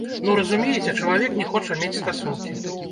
Ну, разумееце, чалавек не хоча мець стасункі.